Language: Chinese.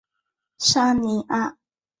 沙尼阿。